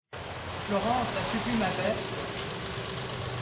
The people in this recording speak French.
Florence, as-tu vu ma veste ?